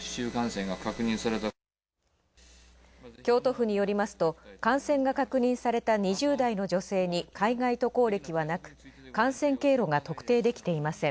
京都府によりますと、感染が確認された２０代の女性に海外渡航歴はなく感染経路が特定できていません。